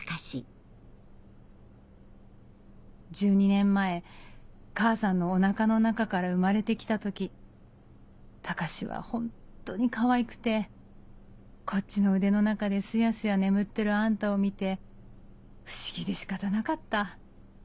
「１２年前母さんのお腹の中から生まれて来た時高志はホントにかわいくてこっちの腕の中でスヤスヤ眠ってるあんたを見て不思議で仕方なかった。